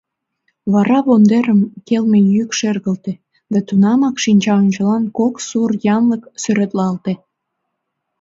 Вара вондерым келме йӱк шергылте да тунамак шинча ончылан кок сур янлык сӱретлалте.